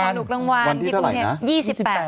วันที่ตรงไหน